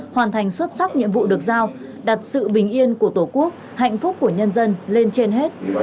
hoàn thành xuất sắc nhiệm vụ được giao đặt sự bình yên của tổ quốc hạnh phúc của nhân dân lên trên hết